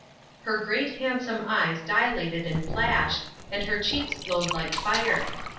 Her great handsome eyes dilated and flashed, and her cheeks glowed like fire.